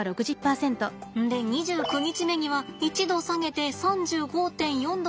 で２９日目には１℃下げて３５．４℃にします。